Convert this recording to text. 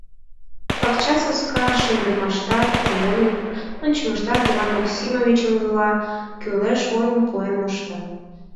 Пакча саска шындымаштат, вольык ончымаштат Иван Максимович ыҥыла, кӱлеш ойым пуэн мошта.